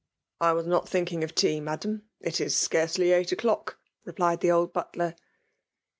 ^ I was not tliinking of tea. Madam ; it is scarcely eight o*clodc/' replied the old butier.